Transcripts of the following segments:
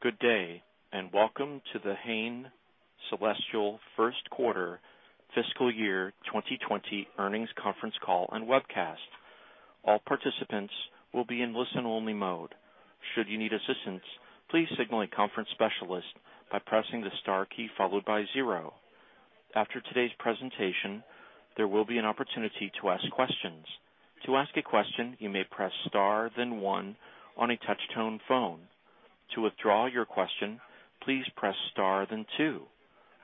Good day, welcome to the Hain Celestial first quarter fiscal year 2020 earnings conference call and webcast. All participants will be in listen-only mode. Should you need assistance, please signal a conference specialist by pressing the star key followed by zero. After today's presentation, there will be an opportunity to ask questions. To ask a question, you may press star then one on a touch-tone phone. To withdraw your question, please press star, then two.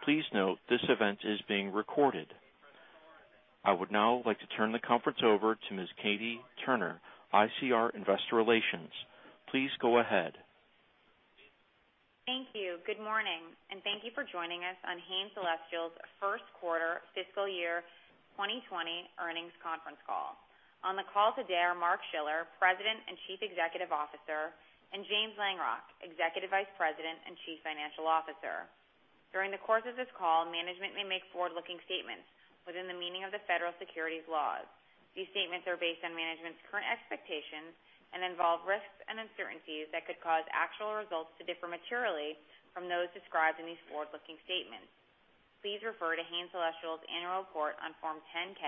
Please note, this event is being recorded. I would now like to turn the conference over to Ms. Katie Turner, ICR Investor Relations. Please go ahead. Thank you. Good morning, and thank you for joining us on Hain Celestial's first quarter fiscal year 2020 earnings conference call. On the call today are Mark Schiller, President and Chief Executive Officer, and James Langrock, Executive Vice President and Chief Financial Officer. During the course of this call, management may make forward-looking statements within the meaning of the federal securities laws. These statements are based on management's current expectations and involve risks and uncertainties that could cause actual results to differ materially from those described in these forward-looking statements. Please refer to Hain Celestial's annual report on Form 10-K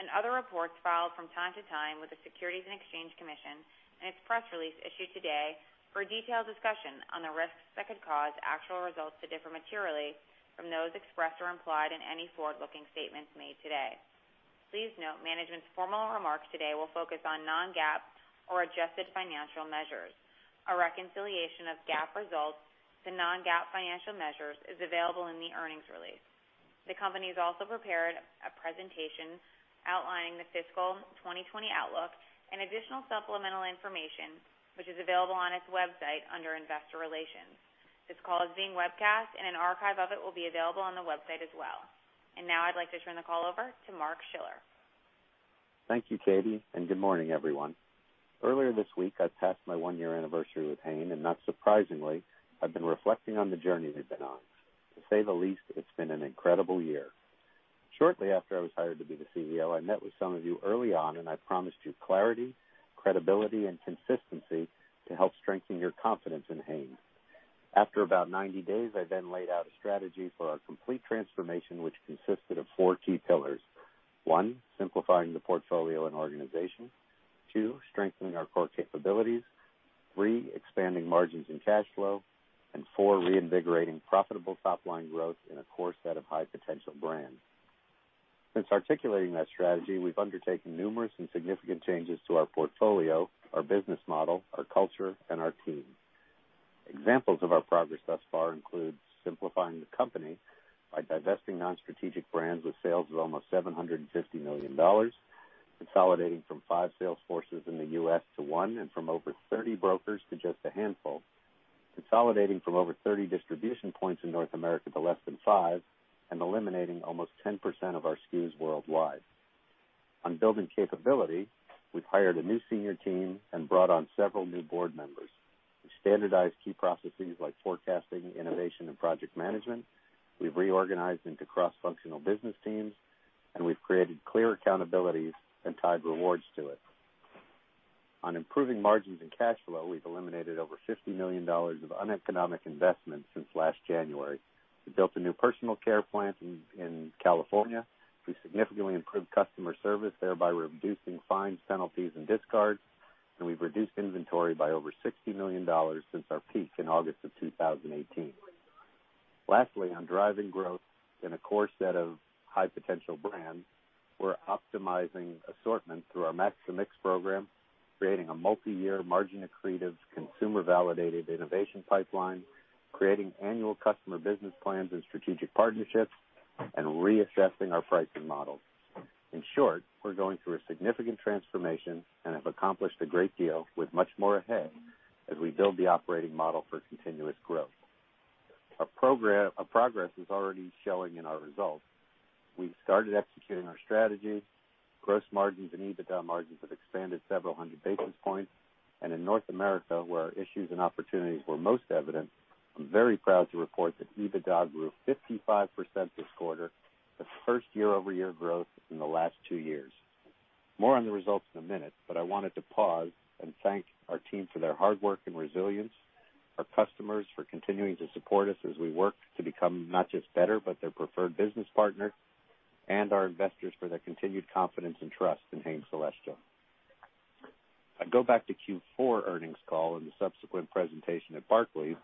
and other reports filed from time to time with the Securities and Exchange Commission and its press release issued today for a detailed discussion on the risks that could cause actual results to differ materially from those expressed or implied in any forward-looking statements made today. Please note, management's formal remarks today will focus on non-GAAP or adjusted financial measures. A reconciliation of GAAP results to non-GAAP financial measures is available in the earnings release. The company's also prepared a presentation outlining the fiscal 2020 outlook and additional supplemental information, which is available on its website under Investor Relations. This call is being webcast, and an archive of it will be available on the website as well. Now I'd like to turn the call over to Mark Schiller. Thank you, Katie. Good morning, everyone. Earlier this week, I passed my one-year anniversary with Hain, and not surprisingly, I've been reflecting on the journey we've been on. To say the least, it's been an incredible year. Shortly after I was hired to be the CEO, I met with some of you early on, and I promised you clarity, credibility, and consistency to help strengthen your confidence in Hain. After about 90 days, I laid out a strategy for our complete transformation, which consisted of four key pillars. One, simplifying the portfolio and organization. Two, strengthening our core capabilities. Three, expanding margins and cash flow. Four, reinvigorating profitable top-line growth in a core set of high-potential brands. Since articulating that strategy, we've undertaken numerous and significant changes to our portfolio, our business model, our culture, and our team. Examples of our progress thus far include simplifying the company by divesting non-strategic brands with sales of almost $750 million, consolidating from five sales forces in the U.S. to one, and from over 30 brokers to just a handful, consolidating from over 30 distribution points in North America to less than five, and eliminating almost 10% of our SKUs worldwide. On building capability, we've hired a new senior team and brought on several new board members. We've standardized key processes like forecasting, innovation, and project management. We've reorganized into cross-functional business teams, and we've created clear accountabilities and tied rewards to it. On improving margins and cash flow, we've eliminated over $50 million of uneconomic investments since last January. We built a new personal care plant in California. We significantly improved customer service, thereby reducing fines, penalties, and discards. We've reduced inventory by over $60 million since our peak in August of 2018. Lastly, on driving growth in a core set of high-potential brands, we're optimizing assortment through our Max the Mix program, creating a multi-year, margin-accretive, consumer-validated innovation pipeline, creating annual customer business plans and strategic partnerships, and reassessing our pricing models. In short, we're going through a significant transformation and have accomplished a great deal with much more ahead as we build the operating model for continuous growth. Our progress is already showing in our results. We've started executing our strategy. Gross margins and EBITDA margins have expanded several hundred basis points. In North America, where our issues and opportunities were most evident, I'm very proud to report that EBITDA grew 55% this quarter, the first year-over-year growth in the last two years. More on the results in a minute, I wanted to pause and thank our team for their hard work and resilience, our customers for continuing to support us as we work to become not just better, but their preferred business partner, and our investors for their continued confidence and trust in Hain Celestial. I go back to Q4 earnings call and the subsequent presentation at Barclays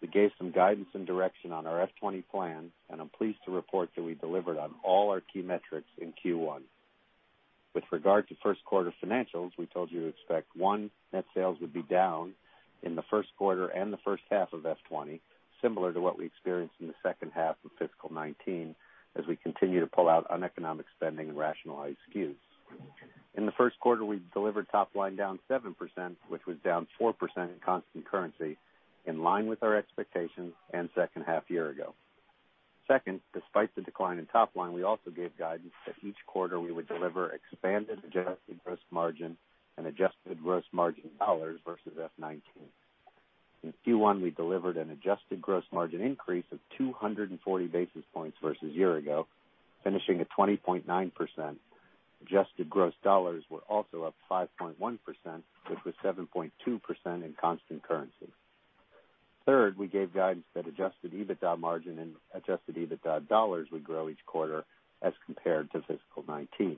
that gave some guidance and direction on our FY 2020 plan, I'm pleased to report that we delivered on all our key metrics in Q1. With regard to first quarter financials, we told you to expect, one, net sales would be down in the first quarter and the first half of FY 2020, similar to what we experienced in the second half of fiscal 2019, as we continue to pull out uneconomic spending and rationalize SKUs. In the first quarter, we delivered top line down 7%, which was down 4% in constant currency, in line with our expectations and second half year ago. Second, despite the decline in top line, we also gave guidance that each quarter we would deliver expanded adjusted gross margin and adjusted gross margin dollars versus FY 2019. In Q1, we delivered an adjusted gross margin increase of 240 basis points versus year ago, finishing at 20.9%. Adjusted gross dollars were also up 5.1%, which was 7.2% in constant currency. Third, we gave guidance that adjusted EBITDA margin and adjusted EBITDA dollars would grow each quarter as compared to fiscal 2019.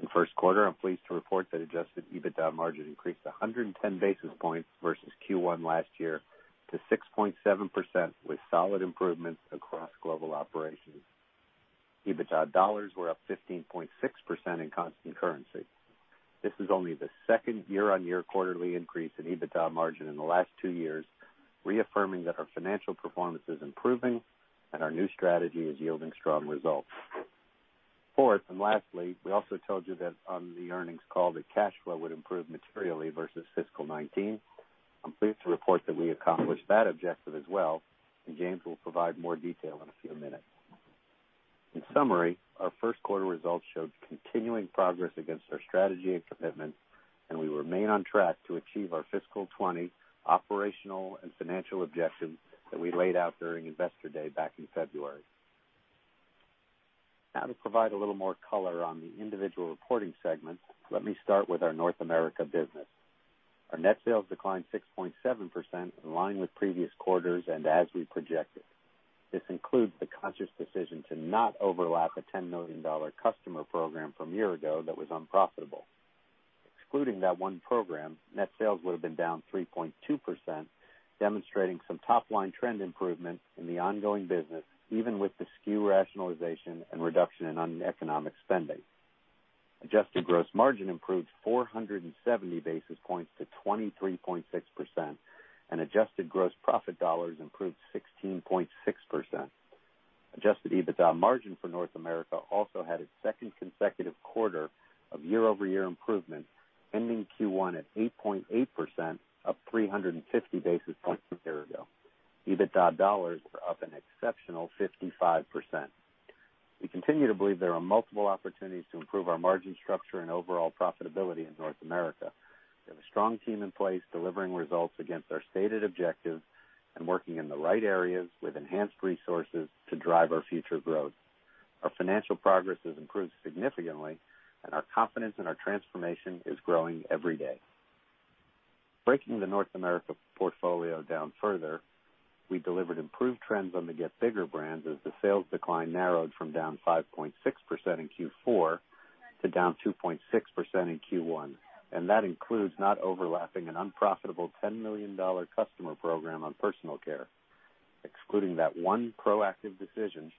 In first quarter, I'm pleased to report that adjusted EBITDA margin increased 110 basis points versus Q1 last year to 6.7%, with solid improvements across global operations. EBITDA dollars were up 15.6% in constant currency. This is only the second year-on-year quarterly increase in EBITDA margin in the last two years, reaffirming that our financial performance is improving and our new strategy is yielding strong results. Fourth, and lastly, we also told you on the earnings call that cash flow would improve materially versus fiscal 2019. I'm pleased to report that we accomplished that objective as well, and James will provide more detail in a few minutes. In summary, our first quarter results showed continuing progress against our strategy and commitments, and we remain on track to achieve our fiscal 2020 operational and financial objectives that we laid out during Investor Day back in February. Now to provide a little more color on the individual reporting segments, let me start with our North America business. Our net sales declined 6.7%, in line with previous quarters and as we projected. This includes the conscious decision to not overlap a $10 million customer program from a year ago that was unprofitable. Excluding that one program, net sales would've been down 3.2%, demonstrating some top-line trend improvement in the ongoing business, even with the SKU rationalization and reduction in uneconomic spending. Adjusted gross margin improved 470 basis points to 23.6%. Adjusted gross profit dollars improved 16.6%. Adjusted EBITDA margin for North America also had its second consecutive quarter of year-over-year improvement, ending Q1 at 8.8%, up 350 basis points from a year ago. EBITDA dollars were up an exceptional 55%. We continue to believe there are multiple opportunities to improve our margin structure and overall profitability in North America. We have a strong team in place delivering results against our stated objectives and working in the right areas with enhanced resources to drive our future growth. Our financial progress has improved significantly, and our confidence in our transformation is growing every day. Breaking the North America portfolio down further, we delivered improved trends on the Get Bigger brands as the sales decline narrowed from down 5.6% in Q4 to down 2.6% in Q1, and that includes not overlapping an unprofitable $10 million customer program on personal care. Excluding that one proactive decision,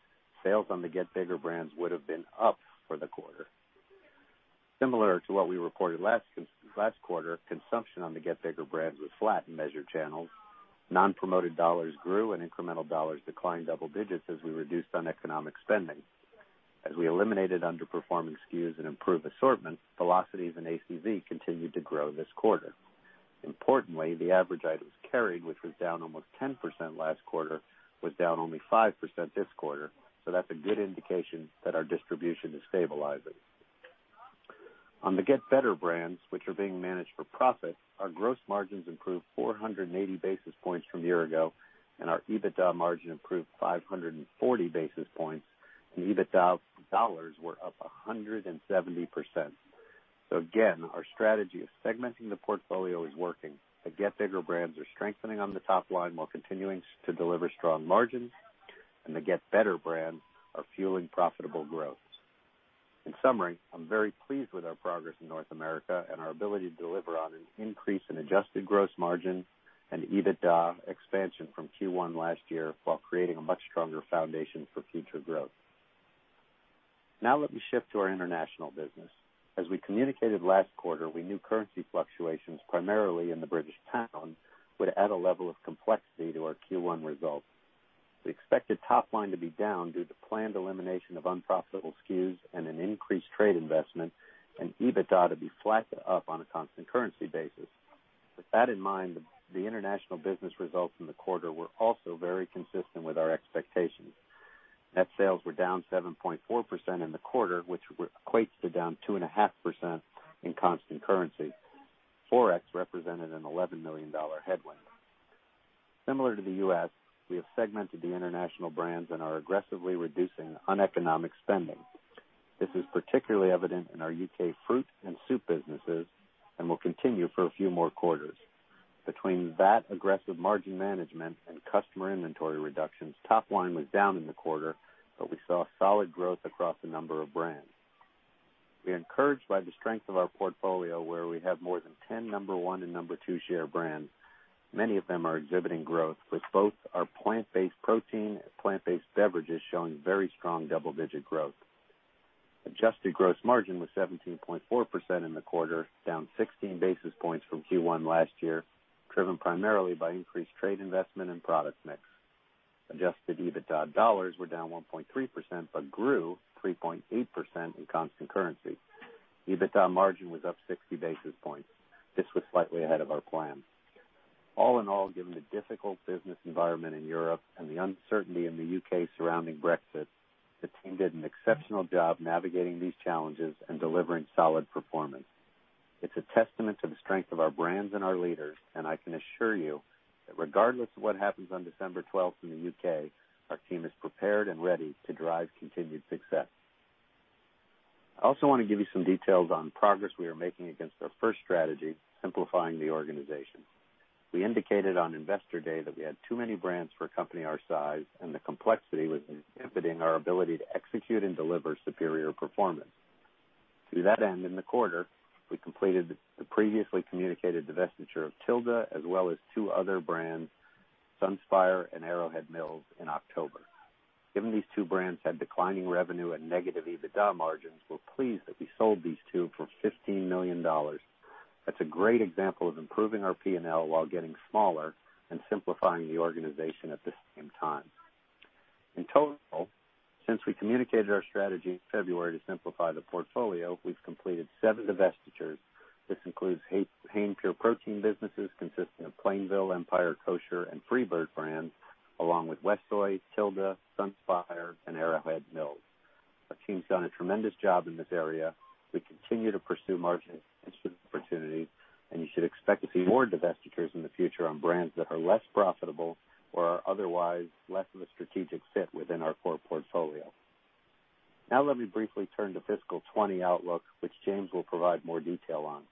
sales on the Get Bigger brands would've been up for the quarter. Similar to what we reported last quarter, consumption on the Get Bigger brands was flat in measured channels. Non-promoted dollars grew, and incremental dollars declined double digits as we reduced uneconomic spending. As we eliminated underperforming SKUs and improved assortment, velocities and ACV continued to grow this quarter. Importantly, the average items carried, which was down almost 10% last quarter, was down only 5% this quarter. That's a good indication that our distribution is stabilizing. On the Get Better brands, which are being managed for profit, our gross margins improved 480 basis points from a year ago. Our EBITDA margin improved 540 basis points. EBITDA dollars were up 170%. Again, our strategy of segmenting the portfolio is working. The Get Bigger brands are strengthening on the top line while continuing to deliver strong margins. The Get Better brands are fueling profitable growth. In summary, I'm very pleased with our progress in North America and our ability to deliver on an increase in adjusted gross margin and EBITDA expansion from Q1 last year while creating a much stronger foundation for future growth. Now let me shift to our international business. As we communicated last quarter, we knew currency fluctuations, primarily in the British pound, would add a level of complexity to our Q1 results. We expected top line to be down due to planned elimination of unprofitable SKUs and an increased trade investment, and EBITDA to be flat to up on a constant currency basis. With that in mind, the international business results in the quarter were also very consistent with our expectations. Net sales were down 7.4% in the quarter, which equates to down 2.5% in constant currency. Forex represented an $11 million headwind. Similar to the U.S., we have segmented the international brands and are aggressively reducing uneconomic spending. This is particularly evident in our U.K. fruit and soup businesses and will continue for a few more quarters. Between that aggressive margin management and customer inventory reductions, top line was down in the quarter, but we saw solid growth across a number of brands. We are encouraged by the strength of our portfolio, where we have more than 10 number 1 and number 2 share brands. Many of them are exhibiting growth, with both our plant-based protein and plant-based beverages showing very strong double-digit growth. Adjusted gross margin was 17.4% in the quarter, down 16 basis points from Q1 last year, driven primarily by increased trade investment and product mix. Adjusted EBITDA dollars were down 1.3% but grew 3.8% in constant currency. EBITDA margin was up 60 basis points. This was slightly ahead of our plan. All in all, given the difficult business environment in Europe and the uncertainty in the U.K. surrounding Brexit, the team did an exceptional job navigating these challenges and delivering solid performance. It's a testament to the strength of our brands and our leaders, and I can assure you that regardless of what happens on December 12th in the U.K., our team is prepared and ready to drive continued success. I also want to give you some details on progress we are making against our first strategy, simplifying the organization. We indicated on Investor Day that we had too many brands for a company our size, and the complexity was impeding our ability to execute and deliver superior performance. To that end, in the quarter, we completed the previously communicated divestiture of Tilda, as well as two other brands, SunSpire and Arrowhead Mills, in October. Given these two brands had declining revenue and negative EBITDA margins, we're pleased that we sold these two for $15 million. That's a great example of improving our P&L while getting smaller and simplifying the organization at the same time. In total, since we communicated our strategy in February to simplify the portfolio, we've completed seven divestitures. This includes Hain Pure Protein businesses consisting of Plainville, Empire Kosher, and FreeBird brands, along with WestSoy, Tilda, SunSpire, and Arrowhead Mills. Our team's done a tremendous job in this area. We continue to pursue margin expansion opportunities. You should expect to see more divestitures in the future on brands that are less profitable or are otherwise less of a strategic fit within our core portfolio. Now let me briefly turn to fiscal 2020 outlook, which James will provide more detail on.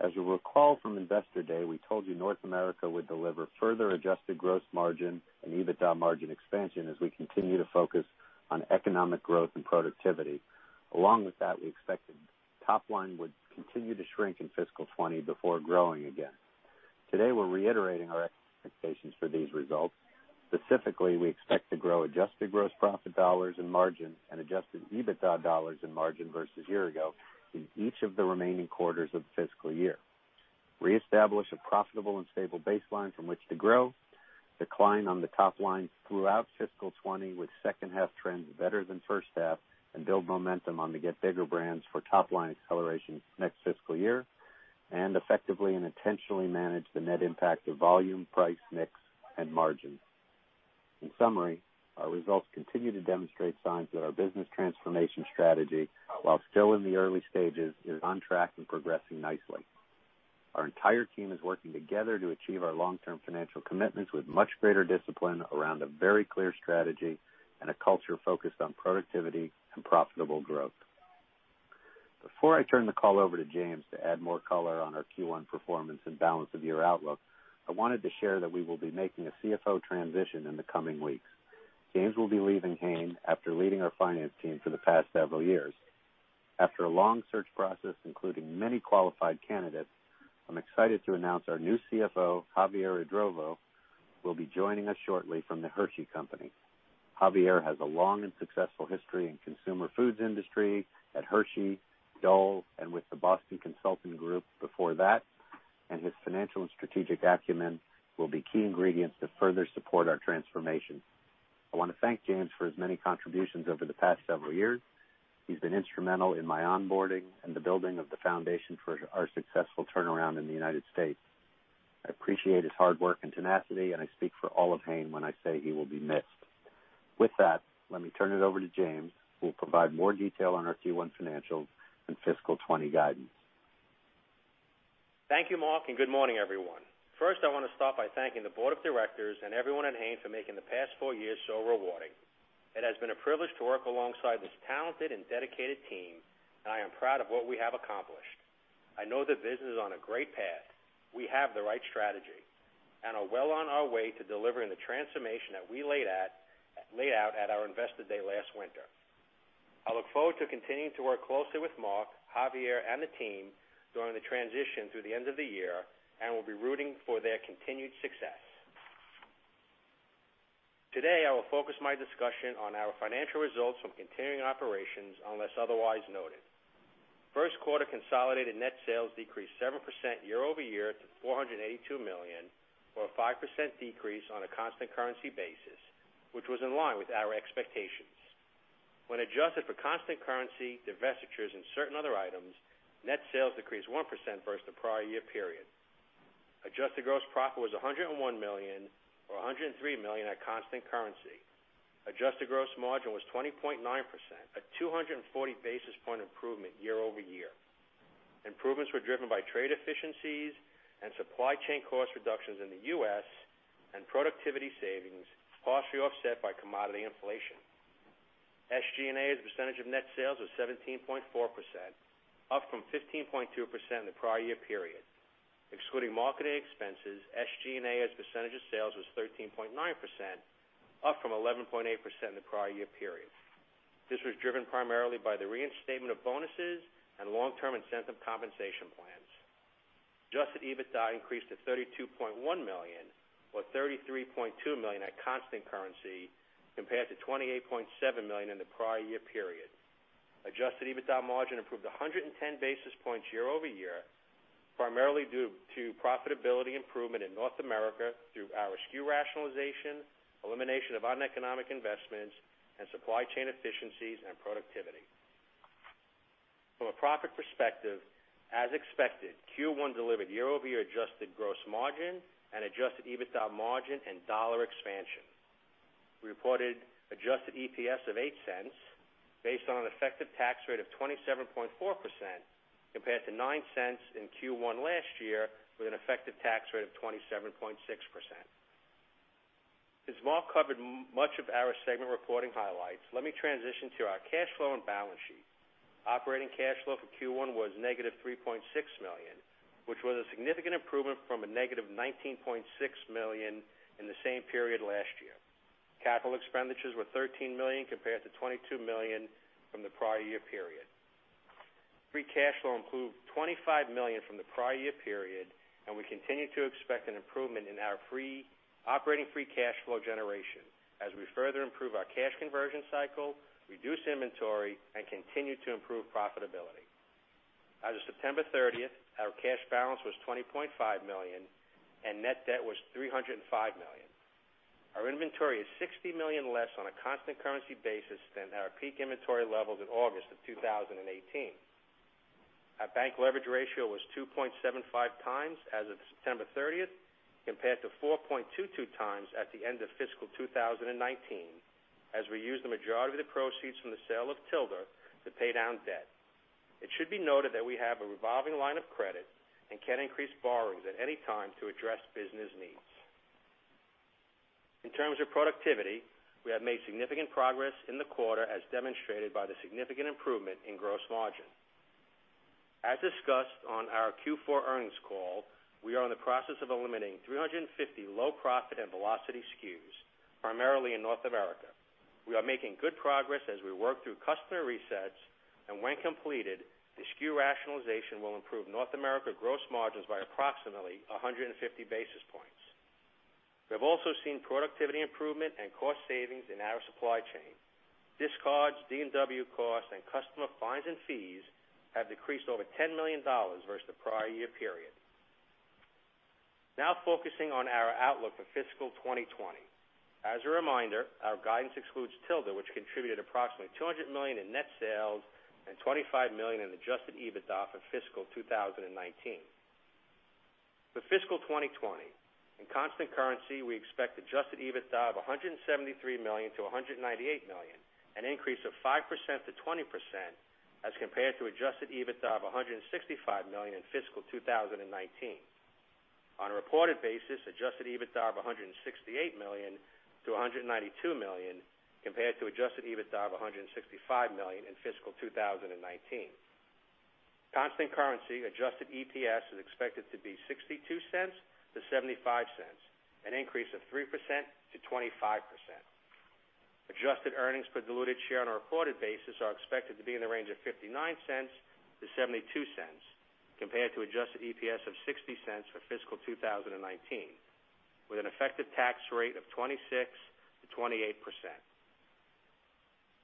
As you'll recall from Investor Day, we told you North America would deliver further adjusted gross margin and EBITDA margin expansion as we continue to focus on economic growth and productivity. Along with that, we expected top line would continue to shrink in fiscal 2020 before growing again. Today, we're reiterating our expectations for these results. Specifically, we expect to grow adjusted gross profit dollars and margin and adjusted EBITDA dollars and margin versus year ago in each of the remaining quarters of the fiscal year, reestablish a profitable and stable baseline from which to grow, decline on the top line throughout fiscal 2020, with second half trends better than first half, and build momentum on the Get Bigger brands for top-line acceleration next fiscal year, and effectively and intentionally manage the net impact of volume, price, mix, and margin. In summary, our results continue to demonstrate signs that our business transformation strategy, while still in the early stages, is on track and progressing nicely. Our entire team is working together to achieve our long-term financial commitments with much greater discipline around a very clear strategy and a culture focused on productivity and profitable growth. Before I turn the call over to James to add more color on our Q1 performance and balance of year outlook, I wanted to share that we will be making a CFO transition in the coming weeks. James will be leaving Hain after leading our finance team for the past several years. After a long search process, including many qualified candidates, I'm excited to announce our new CFO, Javier Idrovo, will be joining us shortly from The Hershey Company. Javier has a long and successful history in consumer foods industry at Hershey, Dole, and with the Boston Consulting Group before that. His financial and strategic acumen will be key ingredients to further support our transformation. I want to thank James for his many contributions over the past several years. He's been instrumental in my onboarding and the building of the foundation for our successful turnaround in the U.S. I appreciate his hard work and tenacity. I speak for all of Hain when I say he will be missed. With that, let me turn it over to James, who will provide more detail on our Q1 financials and fiscal 2020 guidance. Thank you, Mark. Good morning, everyone. First, I want to start by thanking the board of directors and everyone at Hain for making the past four years so rewarding. It has been a privilege to work alongside this talented and dedicated team, and I am proud of what we have accomplished. I know the business is on a great path. We have the right strategy and are well on our way to delivering the transformation that we laid out at our Investor Day last winter. I look forward to continuing to work closely with Mark, Javier, and the team during the transition through the end of the year and will be rooting for their continued success. Today, I will focus my discussion on our financial results from continuing operations unless otherwise noted. First quarter consolidated net sales decreased 7% year-over-year to $482 million, or a 5% decrease on a constant currency basis, which was in line with our expectations. When adjusted for constant currency, divestitures and certain other items, net sales decreased 1% versus the prior year period. Adjusted gross profit was $101 million or $103 million at constant currency. Adjusted gross margin was 20.9%, a 240-basis point improvement year-over-year. Improvements were driven by trade efficiencies and supply chain cost reductions in the U.S. and productivity savings, partially offset by commodity inflation. SG&A as a percentage of net sales was 17.4%, up from 15.2% in the prior year period. Excluding marketing expenses, SG&A as a percentage of sales was 13.9%, up from 11.8% in the prior year period. This was driven primarily by the reinstatement of bonuses and long-term incentive compensation plans. Adjusted EBITDA increased to $32.1 million or $33.2 million at constant currency compared to $28.7 million in the prior year period. Adjusted EBITDA margin improved 110 basis points year-over-year, primarily due to profitability improvement in North America through our SKU rationalization, elimination of uneconomic investments, and supply chain efficiencies and productivity. From a profit perspective, as expected, Q1 delivered year-over-year adjusted gross margin and adjusted EBITDA margin and dollar expansion. We reported adjusted EPS of $0.08 based on an effective tax rate of 27.4%, compared to $0.09 in Q1 last year with an effective tax rate of 27.6%. As Mark covered much of our segment reporting highlights, let me transition to our cash flow and balance sheet. Operating cash flow for Q1 was negative $3.6 million, which was a significant improvement from a negative $19.6 million in the same period last year. Capital expenditures were $13 million compared to $22 million from the prior year period. Free cash flow improved $25 million from the prior year period, and we continue to expect an improvement in our operating free cash flow generation as we further improve our cash conversion cycle, reduce inventory, and continue to improve profitability. As of September 30th, our cash balance was $20.5 million, and net debt was $305 million. Our inventory is $60 million less on a constant currency basis than our peak inventory levels in August of 2018. Our bank leverage ratio was 2.75 times as of September 30th, compared to 4.22 times at the end of fiscal 2019, as we used the majority of the proceeds from the sale of Tilda to pay down debt. It should be noted that we have a revolving line of credit and can increase borrowings at any time to address business needs. In terms of productivity, we have made significant progress in the quarter, as demonstrated by the significant improvement in gross margin. As discussed on our Q4 earnings call, we are in the process of eliminating 350 low-profit and velocity SKUs, primarily in North America. We are making good progress as we work through customer resets, and when completed, the SKU rationalization will improve North America gross margins by approximately 150 basis points. We have also seen productivity improvement and cost savings in our supply chain. Discards, D&W costs, and customer fines and fees have decreased over $10 million versus the prior year period. Now focusing on our outlook for fiscal 2020. As a reminder, our guidance excludes Tilda, which contributed approximately $200 million in net sales and $25 million in adjusted EBITDA for fiscal 2019. For fiscal 2020, in constant currency, we expect adjusted EBITDA of $173 million-$198 million, an increase of 5%-20% as compared to adjusted EBITDA of $165 million in fiscal 2019. On a reported basis, adjusted EBITDA of $168 million-$192 million, compared to adjusted EBITDA of $165 million in fiscal 2019. Constant currency adjusted EPS is expected to be $0.62-$0.75, an increase of 3%-25%. Adjusted earnings per diluted share on a reported basis are expected to be in the range of $0.59-$0.72, compared to adjusted EPS of $0.60 for fiscal 2019, with an effective tax rate of 26%-28%.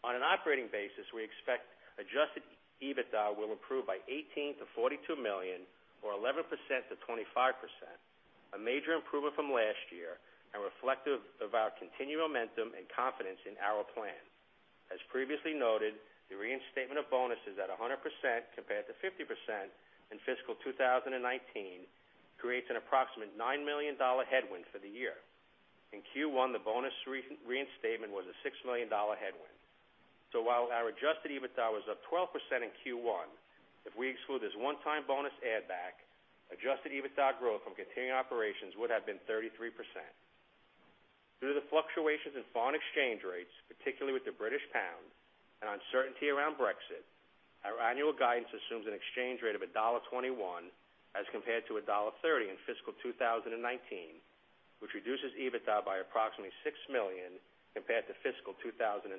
On an operating basis, we expect adjusted EBITDA will improve by $18 million-$42 million, or 11%-25%, a major improvement from last year and reflective of our continued momentum and confidence in our plan. As previously noted, the reinstatement of bonuses at 100%, compared to 50% in fiscal 2019, creates an approximate $9 million headwind for the year. In Q1, the bonus reinstatement was a $6 million headwind. While our adjusted EBITDA was up 12% in Q1, if we exclude this one-time bonus add back, adjusted EBITDA growth from continuing operations would have been 33%. Due to the fluctuations in foreign exchange rates, particularly with the British pound, and uncertainty around Brexit, our annual guidance assumes an exchange rate of $1.21 as compared to $1.30 in fiscal 2019, which reduces EBITDA by approximately $6 million compared to fiscal 2019.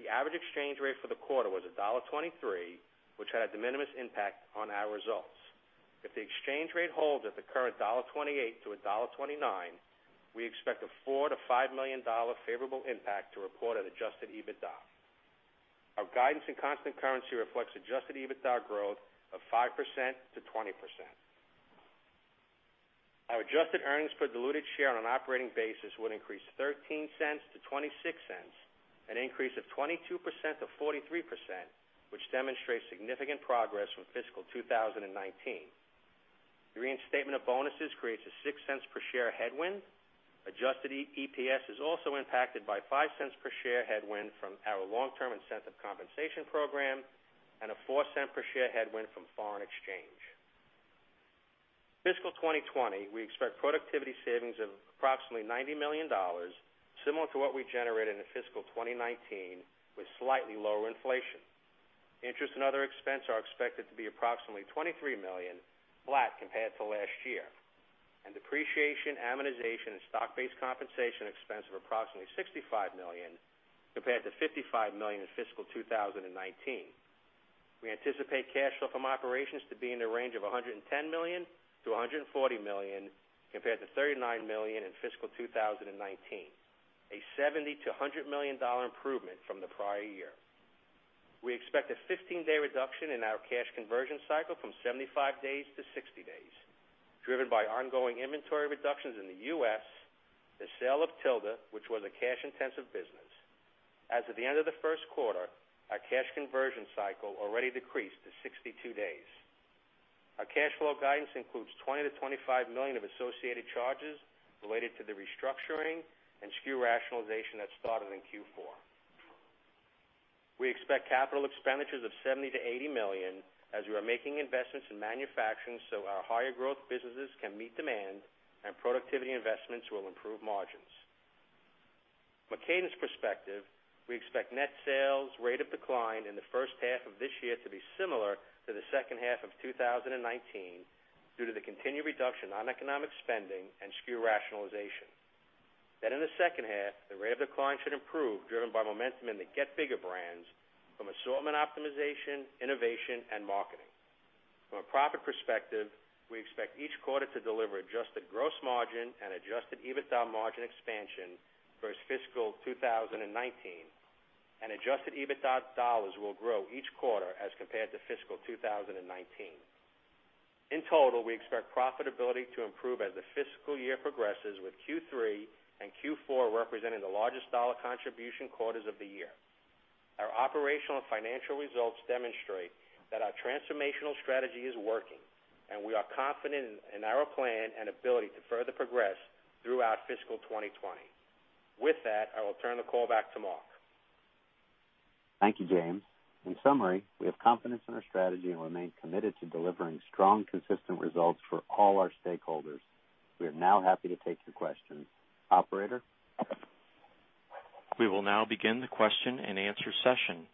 The average exchange rate for the quarter was $1.23, which had de minimis impact on our results. The exchange rate holds at the current $1.28-$1.29, we expect a $4 million-$5 million favorable impact to report an adjusted EBITDA. Our guidance and constant currency reflects adjusted EBITDA growth of 5%-20%. Our adjusted earnings per diluted share on an operating basis would increase $0.13 to $0.26, an increase of 22%-43%, which demonstrates significant progress from fiscal 2019. The reinstatement of bonuses creates a $0.06 per share headwind. Adjusted EPS is also impacted by $0.05 per share headwind from our long-term incentive compensation program and a $0.04 per share headwind from foreign exchange. Fiscal 2020, we expect productivity savings of approximately $90 million, similar to what we generated in fiscal 2019, with slightly lower inflation. Interest and other expense are expected to be approximately $23 million, flat compared to last year. Depreciation, amortization, and stock-based compensation expense of approximately $65 million, compared to $55 million in fiscal 2019. We anticipate cash flow from operations to be in the range of $110 million-$140 million, compared to $39 million in fiscal 2019, a $70 million-$100 million improvement from the prior year. We expect a 15-day reduction in our cash conversion cycle from 75 days to 60 days, driven by ongoing inventory reductions in the U.S., the sale of Tilda, which was a cash-intensive business. As of the end of the first quarter, our cash conversion cycle already decreased to 62 days. Our cash flow guidance includes $20 million-$25 million of associated charges related to the restructuring and SKU rationalization that started in Q4. We expect capital expenditures of $70 million-$80 million as we are making investments in manufacturing so our higher growth businesses can meet demand and productivity investments will improve margins. From a cadence perspective, we expect net sales rate of decline in the first half of this year to be similar to the second half of 2019 due to the continued reduction on economic spending and SKU rationalization. In the second half, the rate of decline should improve, driven by momentum in the Get Bigger brands from assortment optimization, innovation, and marketing. From a profit perspective, we expect each quarter to deliver adjusted gross margin and adjusted EBITDA margin expansion versus fiscal 2019, and adjusted EBITDA dollars will grow each quarter as compared to fiscal 2019. In total, we expect profitability to improve as the fiscal year progresses, with Q3 and Q4 representing the largest dollar contribution quarters of the year. Our operational and financial results demonstrate that our transformational strategy is working, and we are confident in our plan and ability to further progress throughout fiscal 2020. With that, I will turn the call back to Mark. Thank you, James. In summary, we have confidence in our strategy and remain committed to delivering strong, consistent results for all our stakeholders. We are now happy to take your questions. Operator? We will now begin the question and answer session.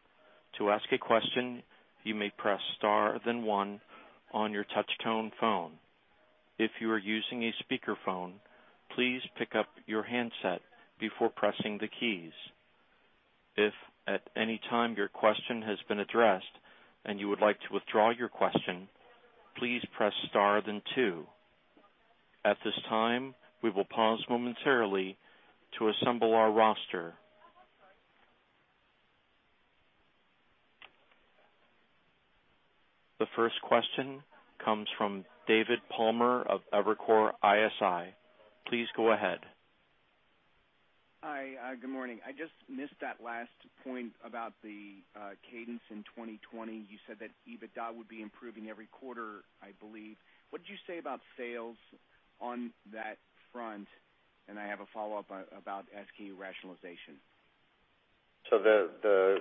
To ask a question, you may press star then one on your touch tone phone. If you are using a speakerphone, please pick up your handset before pressing the keys. If at any time your question has been addressed and you would like to withdraw your question, please press star then two. At this time, we will pause momentarily to assemble our roster. The first question comes from David Palmer of Evercore ISI. Please go ahead. Hi, good morning. I just missed that last point about the cadence in 2020. You said that EBITDA would be improving every quarter, I believe. What did you say about sales on that front? I have a follow-up about SKU rationalization. The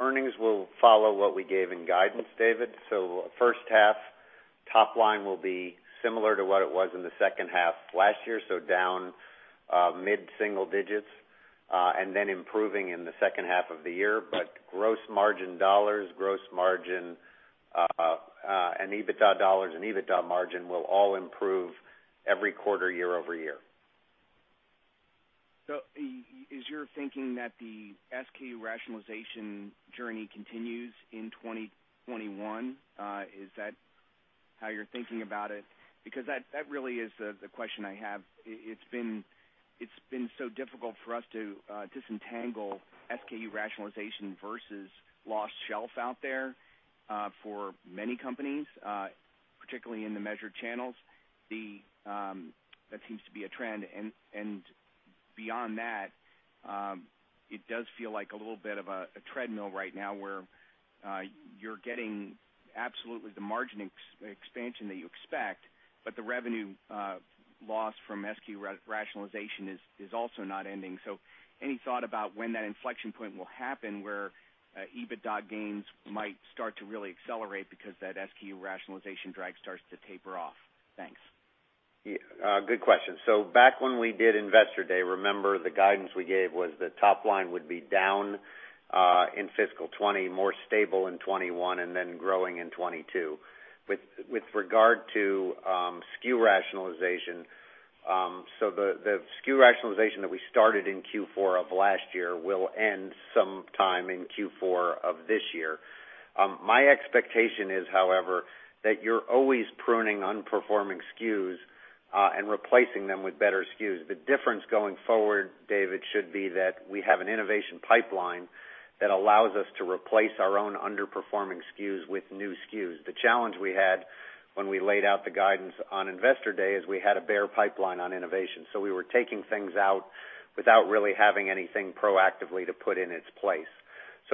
earnings will follow what we gave in guidance, David. First half top line will be similar to what it was in the second half last year, so down mid-single digits, and then improving in the second half of the year. Gross margin dollars, gross margin and EBITDA dollars and EBITDA margin will all improve every quarter, year-over-year. Is your thinking that the SKU rationalization journey continues in 2021? Is that how you're thinking about it? That really is the question I have. It's been so difficult for us to disentangle SKU rationalization versus lost shelf out there for many companies, particularly in the measured channels. That seems to be a trend. Beyond that, it does feel like a little bit of a treadmill right now where you're getting absolutely the margin expansion that you expect, but the revenue loss from SKU rationalization is also not ending. Any thought about when that inflection point will happen where EBITDA gains might start to really accelerate because that SKU rationalization drag starts to taper off? Thanks. Good question. Back when we did Investor Day, remember the guidance we gave was the top line would be down in fiscal 2020, more stable in 2021, and then growing in 2022. With regard to SKU rationalization, the SKU rationalization that we started in Q4 of last year will end some time in Q4 of this year. My expectation is, however, that you're always pruning underperforming SKUs and replacing them with better SKUs. The difference going forward, David, should be that we have an innovation pipeline that allows us to replace our own underperforming SKUs with new SKUs. The challenge we had when we laid out the guidance on Investor Day is we had a bare pipeline on innovation, so we were taking things out without really having anything proactively to put in its place.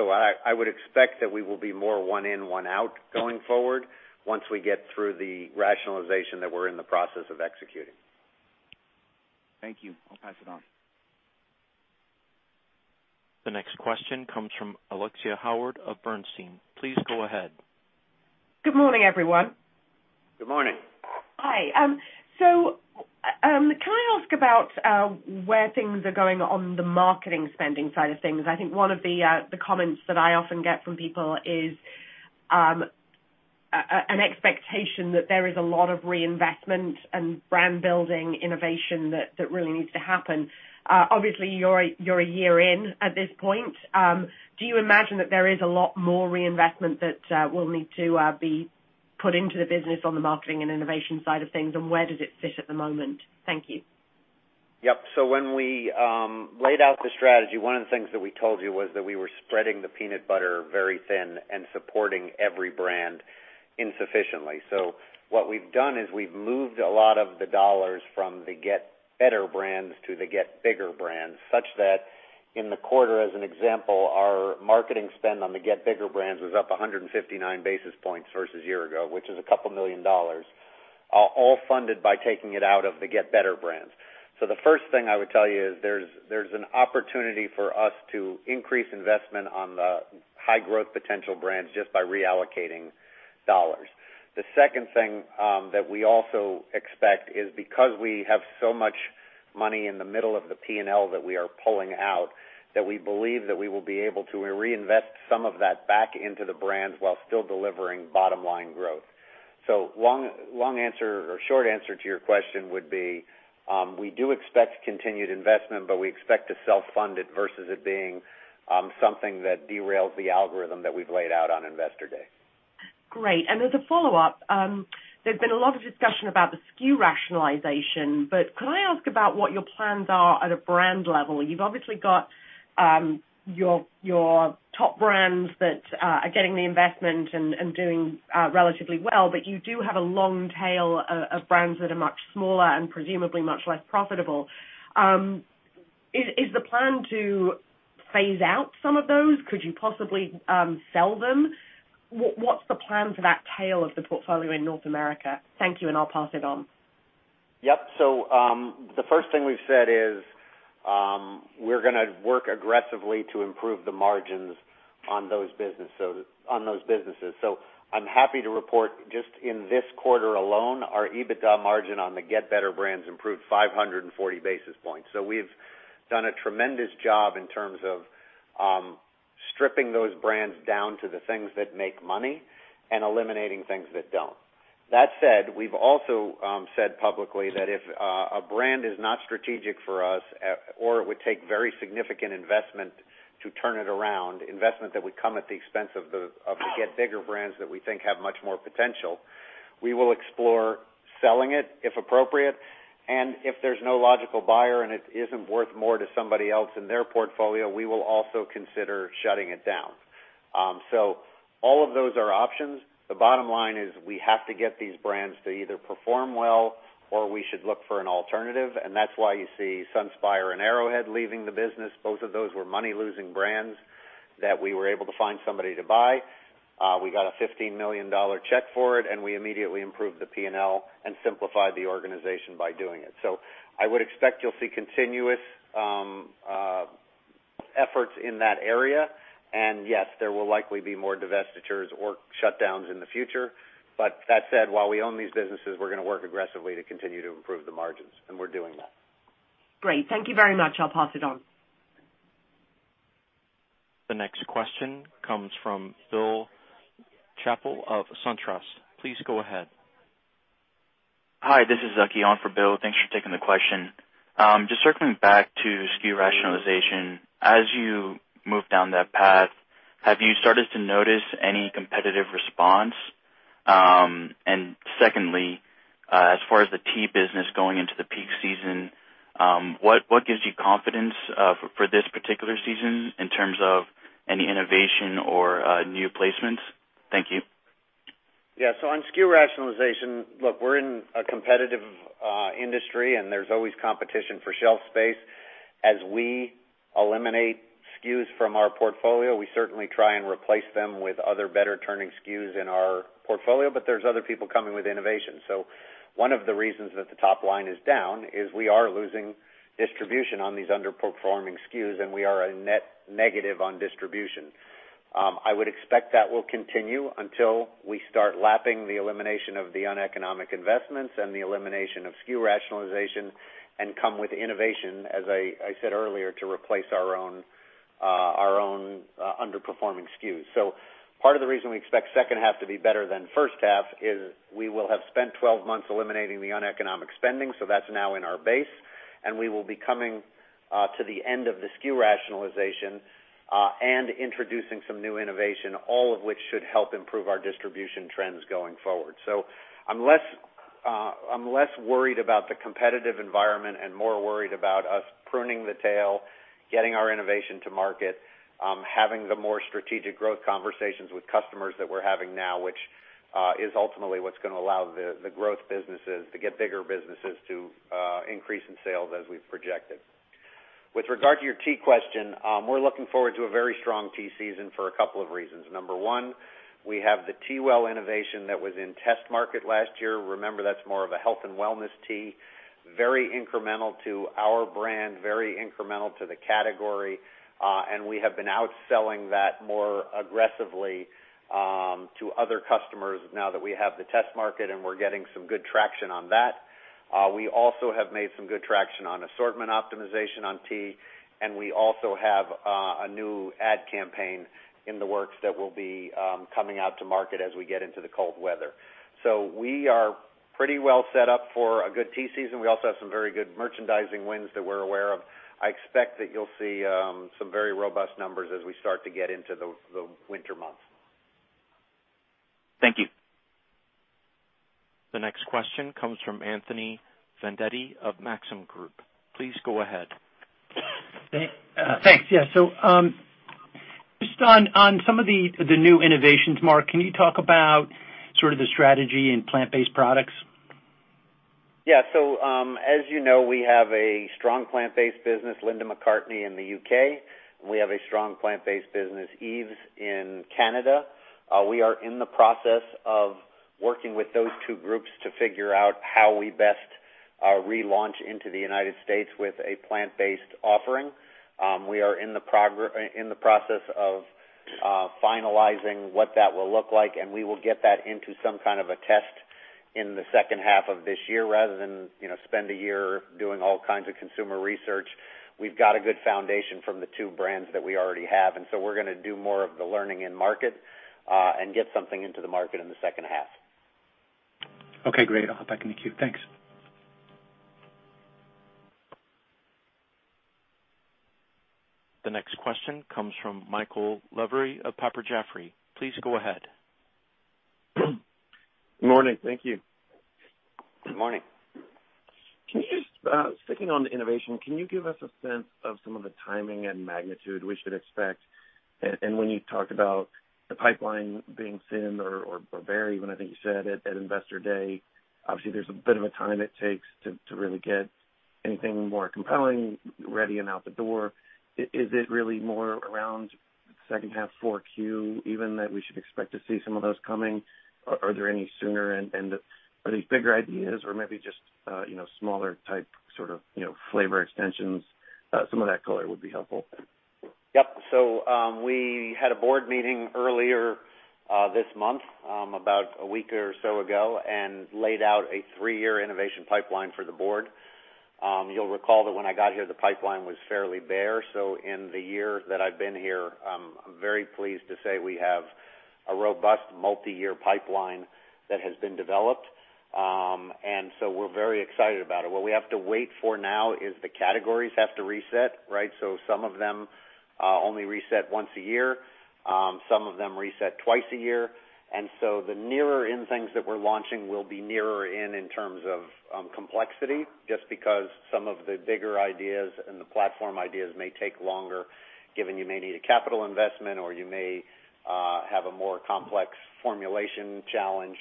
I would expect that we will be more one in, one out going forward once we get through the rationalization that we're in the process of executing. Thank you. I'll pass it on. The next question comes from Alexia Howard of Bernstein. Please go ahead. Good morning, everyone. Good morning. Hi. Can I ask about where things are going on the marketing spending side of things? I think one of the comments that I often get from people is an expectation that there is a lot of reinvestment and brand building innovation that really needs to happen. Obviously, you're a year in at this point. Do you imagine that there is a lot more reinvestment that will need to be put into the business on the marketing and innovation side of things? Where does it sit at the moment? Thank you. Yep. When we laid out the strategy, one of the things that we told you was that we were spreading the peanut butter very thin and supporting every brand insufficiently. What we've done is we've moved a lot of the dollars from the Get Better brands to the Get Bigger brands, such that in the quarter, as an example, our marketing spend on the Get Bigger brands was up 159 basis points versus year-ago, which is a couple million dollars, all funded by taking it out of the Get Better brands. The first thing I would tell you is there's an opportunity for us to increase investment on the high growth potential brands just by reallocating dollars. The second thing that we also expect is because we have so much money in the middle of the P&L that we are pulling out, that we believe that we will be able to reinvest some of that back into the brands while still delivering bottom-line growth. Short answer to your question would be, we do expect continued investment, but we expect to self-fund it versus it being something that derails the algorithm that we've laid out on Investor Day. Great. As a follow-up, there's been a lot of discussion about the SKU rationalization, but could I ask about what your plans are at a brand level? You've obviously got your top brands that are getting the investment and doing relatively well, but you do have a long tail of brands that are much smaller and presumably much less profitable. Is the plan to phase out some of those? Could you possibly sell them? What's the plan for that tail of the portfolio in North America? Thank you, and I'll pass it on. Yep. The first thing we've said is, we're going to work aggressively to improve the margins on those businesses. I'm happy to report just in this quarter alone, our EBITDA margin on the Get Better brands improved 540 basis points. We've done a tremendous job in terms of stripping those brands down to the things that make money and eliminating things that don't. That said, we've also said publicly that if a brand is not strategic for us or it would take very significant investment to turn it around, investment that would come at the expense of the Get Bigger brands that we think have much more potential, we will explore selling it if appropriate, and if there's no logical buyer and it isn't worth more to somebody else in their portfolio, we will also consider shutting it down. All of those are options. The bottom line is we have to get these brands to either perform well or we should look for an alternative, and that's why you see SunSpire and Arrowhead leaving the business. Both of those were money-losing brands that we were able to find somebody to buy. We got a $15 million check for it, and we immediately improved the P&L and simplified the organization by doing it. I would expect you'll see continuous efforts in that area. Yes, there will likely be more divestitures or shutdowns in the future. That said, while we own these businesses, we're going to work aggressively to continue to improve the margins, and we're doing that. Great. Thank you very much. I'll pass it on. The next question comes from Bill Chappell of SunTrust. Please go ahead. Hi, this is Zaki on for Bill. Thanks for taking the question. Just circling back to SKU rationalization. As you move down that path, have you started to notice any competitive response? Secondly, as far as the tea business going into the peak season, what gives you confidence, for this particular season in terms of any innovation or new placements? Thank you. On SKU rationalization, look, we're in a competitive industry, and there's always competition for shelf space. As we eliminate SKUs from our portfolio, we certainly try and replace them with other better-turning SKUs in our portfolio. There's other people coming with innovation. One of the reasons that the top line is down is we are losing distribution on these underperforming SKUs, and we are a net negative on distribution. I would expect that will continue until we start lapping the elimination of the uneconomic investments and the elimination of SKU rationalization and come with innovation, as I said earlier, to replace our own underperforming SKUs. Part of the reason we expect second half to be better than first half is we will have spent 12 months eliminating the uneconomic spending. That's now in our base, and we will be coming to the end of the SKU rationalization, and introducing some new innovation, all of which should help improve our distribution trends going forward. I'm less worried about the competitive environment and more worried about us pruning the tail, getting our innovation to market, having the more strategic growth conversations with customers that we're having now, which is ultimately what's going to allow the growth businesses, the Get Bigger businesses, to increase in sales as we've projected. With regard to your tea question, we're looking forward to a very strong tea season for a couple of reasons. Number one, we have the TeaWell innovation that was in test market last year. Remember, that's more of a health and wellness tea. Very incremental to our brand, very incremental to the category. We have been outselling that more aggressively to other customers now that we have the test market and we are getting some good traction on that. We also have made some good traction on assortment optimization on tea. We also have a new ad campaign in the works that will be coming out to market as we get into the cold weather. We are pretty well set up for a good tea season. We also have some very good merchandising wins that we are aware of. I expect that you will see some very robust numbers as we start to get into the winter months. Thank you. The next question comes from Anthony Vendetti of Maxim Group. Please go ahead. Thanks. Yeah. Just on some of the new innovations, Mark, can you talk about sort of the strategy in plant-based products? As you know, we have a strong plant-based business, Linda McCartney, in the U.K., and we have a strong plant-based business, Yves, in Canada. We are in the process of working with those two groups to figure out how we best relaunch into the United States with a plant-based offering. We are in the process of finalizing what that will look like, and we will get that into some kind of a test in the second half of this year, rather than spend a year doing all kinds of consumer research. We've got a good foundation from the two brands that we already have, we're going to do more of the learning in market, and get something into the market in the second half. Okay, great. I'll hop back in the queue. Thanks. The next question comes from Michael Lavery of Piper Jaffray. Please go ahead. Morning. Thank you. Good morning. Sticking on innovation, can you give us a sense of some of the timing and magnitude we should expect? When you talked about the pipeline being thin or bare, even, I think you said at Investor Day, obviously, there's a bit of a time it takes to really get anything more compelling, ready, and out the door. Is it really more around second half 4Q even that we should expect to see some of those coming? Are there any sooner, and are they bigger ideas or maybe just smaller type flavor extensions? Some of that color would be helpful. Yep. We had a board meeting earlier this month, about a week or so ago, and laid out a three-year innovation pipeline for the board. You'll recall that when I got here, the pipeline was fairly bare. In the year that I've been here, I'm very pleased to say we have a robust multi-year pipeline that has been developed. We're very excited about it. What we have to wait for now is the categories have to reset, right? Some of them only reset once a year. Some of them reset twice a year. The nearer in things that we're launching will be nearer in terms of complexity, just because some of the bigger ideas and the platform ideas may take longer, given you may need a capital investment or you may have a more complex formulation challenge.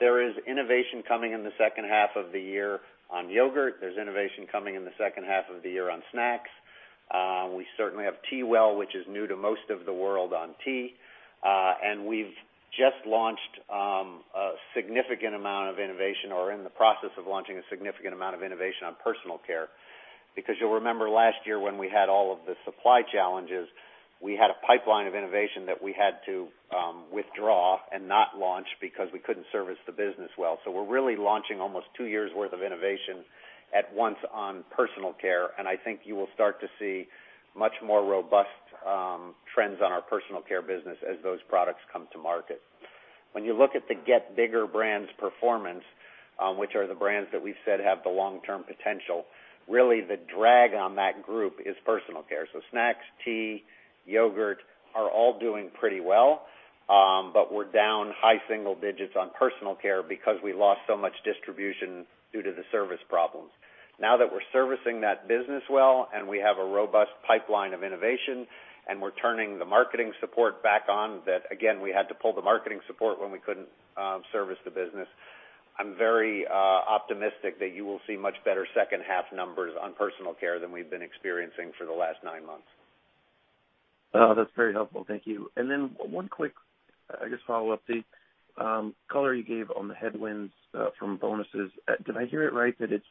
There is innovation coming in the second half of the year on yogurt. There's innovation coming in the second half of the year on snacks. We certainly have TeaWell, which is new to most of the world on tea. We've just launched a significant amount of innovation or are in the process of launching a significant amount of innovation on personal care. You'll remember last year when we had all of the supply challenges, we had a pipeline of innovation that we had to withdraw and not launch because we couldn't service the business well. We're really launching almost two years' worth of innovation at once on personal care, and I think you will start to see much more robust trends on our personal care business as those products come to market. When you look at the Get Bigger brands performance, which are the brands that we've said have the long-term potential, really the drag on that group is personal care. Snacks, tea, yogurt are all doing pretty well, but we're down high single digits on personal care because we lost so much distribution due to the service problems. Now that we're servicing that business well, and we have a robust pipeline of innovation, and we're turning the marketing support back on, that again, we had to pull the marketing support when we couldn't service the business. I'm very optimistic that you will see much better second half numbers on personal care than we've been experiencing for the last nine months. That's very helpful. Thank you. One quick follow-up, the color you gave on the headwinds from bonuses, did I hear it right that it's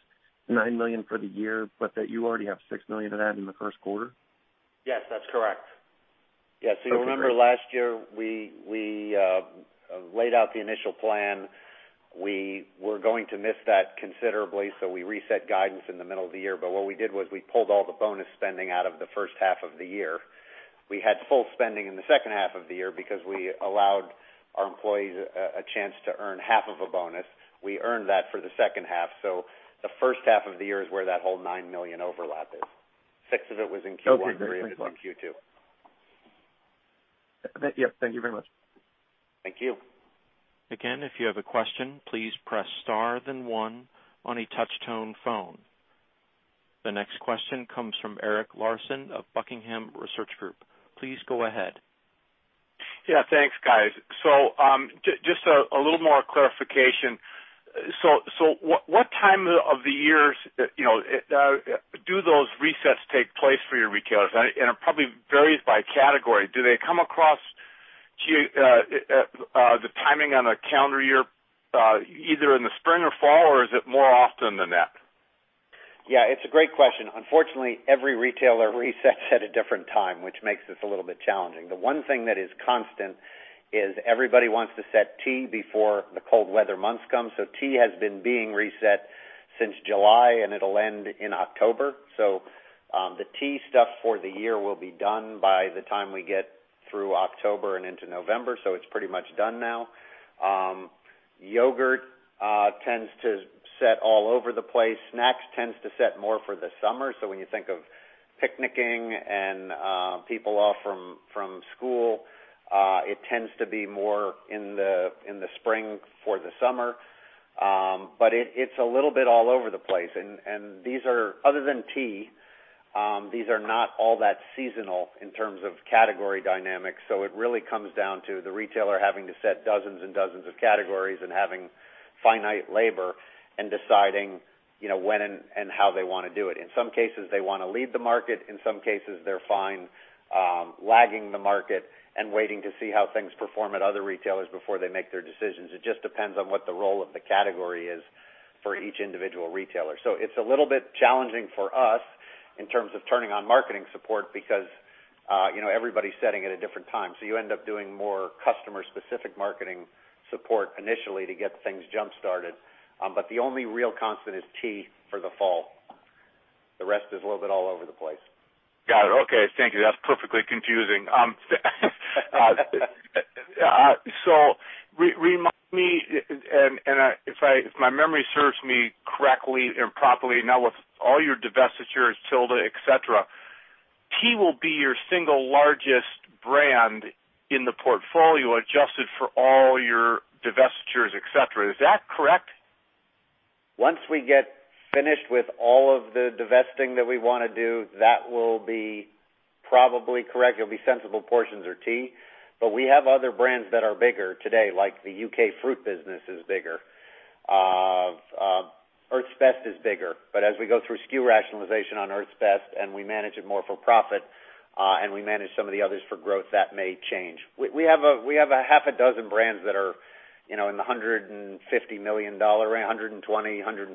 $9 million for the year, but that you already have $6 million of that in the first quarter? Yes, that's correct. Perfect. Great. You remember last year, we laid out the initial plan. We were going to miss that considerably, we reset guidance in the middle of the year. What we did was we pulled all the bonus spending out of the first half of the year. We had full spending in the second half of the year because we allowed our employees a chance to earn half of a bonus. We earned that for the second half. The first half of the year is where that whole $9 million overlap is. Six of it was in Q1. Okay, great. Thanks a lot three of it in Q2. Yep. Thank you very much. Thank you. Again, if you have a question, please press star then one on a touch tone phone. The next question comes from Eric Larson of Buckingham Research Group. Please go ahead. Yeah, thanks, guys. Just a little more clarification. What time of the years do those resets take place for your retailers? It probably varies by category. Do they come across the timing on a calendar year, either in the spring or fall, or is it more often than that? Yeah, it's a great question. Unfortunately, every retailer resets at a different time, which makes this a little bit challenging. The one thing that is constant is everybody wants to set tea before the cold weather months come. Tea has been being reset since July, and it'll end in October. The tea stuff for the year will be done by the time we get through October and into November, so it's pretty much done now. Yogurt tends to set all over the place. Snacks tends to set more for the summer. When you think of picnicking and people off from school, it tends to be more in the spring for the summer. It's a little bit all over the place. Other than tea, these are not all that seasonal in terms of category dynamics. It really comes down to the retailer having to set dozens and dozens of categories and having finite labor and deciding when and how they want to do it. In some cases, they want to lead the market. In some cases, they're fine lagging the market and waiting to see how things perform at other retailers before they make their decisions. It just depends on what the role of the category is for each individual retailer. It's a little bit challenging for us in terms of turning on marketing support because everybody's setting at a different time. You end up doing more customer-specific marketing support initially to get things jump-started. The only real constant is tea for the fall. The rest is a little bit all over the place. Got it. Okay. Thank you. That's perfectly confusing. Remind me, and if my memory serves me correctly and properly, now with all your divestitures, Tilda, et cetera, tea will be your single largest brand in the portfolio, adjusted for all your divestitures, et cetera. Is that correct? Once we get finished with all of the divesting that we want to do, that will be probably correct. It'll be Sensible Portions or tea. We have other brands that are bigger today, like the U.K. fruit business is bigger. Earth's Best is bigger. As we go through SKU rationalization on Earth's Best and we manage it more for profit, and we manage some of the others for growth, that may change. We have a half a dozen brands that are in the $150 million range, $120, $150.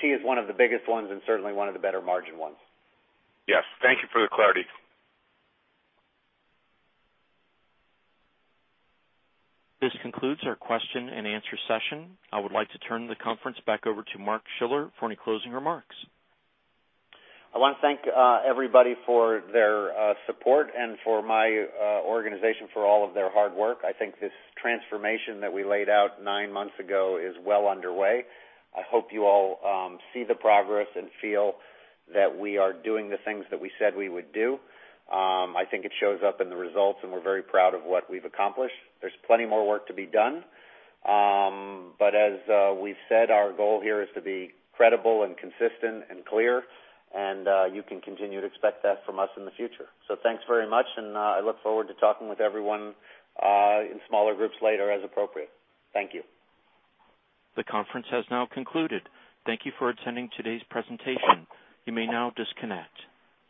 Tea is one of the biggest ones and certainly one of the better margin ones. Yes. Thank you for the clarity. This concludes our question and answer session. I would like to turn the conference back over to Mark Schiller for any closing remarks. I want to thank everybody for their support and for my organization for all of their hard work. I think this transformation that we laid out nine months ago is well underway. I hope you all see the progress and feel that we are doing the things that we said we would do. I think it shows up in the results, and we're very proud of what we've accomplished. There's plenty more work to be done. As we've said, our goal here is to be credible and consistent and clear. You can continue to expect that from us in the future. Thanks very much, and I look forward to talking with everyone in smaller groups later as appropriate. Thank you. The conference has now concluded. Thank you for attending today's presentation. You may now disconnect.